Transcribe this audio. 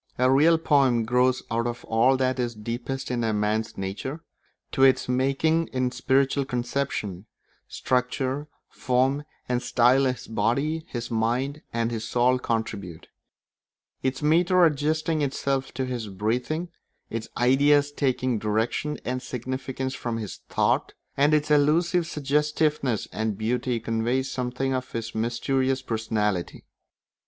A real poem grows out of all that is deepest in a man's nature; to its making in spiritual conception, structure, form, and style his body, his mind, and his soul contribute; its metre adjusting itself to his breathing, its ideas taking direction and significance from his thought, and its elusive suggestiveness and beauty conveying something of his mysterious personality.